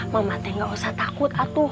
mama tuh gak usah takut